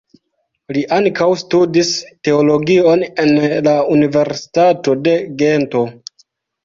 Li ankaŭ studis teologion en la Universitato de Gento.